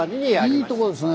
いいとこですね。